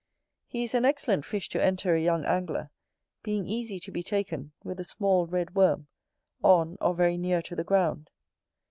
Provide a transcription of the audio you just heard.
He is an excellent fish to enter a young angler, being easy to be taken with a small red worm, on or very near to the ground.